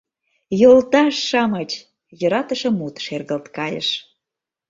«Йолташ-шамыч!.. — йӧратыше мут шергылт кайыш.